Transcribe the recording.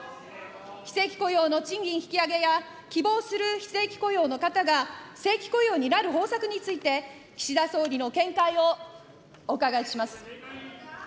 非正規雇用の賃金引き上げや、希望する非正規雇用の方が正規雇用になる方策について、岸田総理の見解をお伺いします。